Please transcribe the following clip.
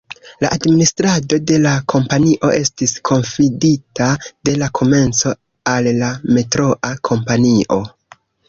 La administrado de la kompanio estis konfidita de la komenco al la Metroa kompanio.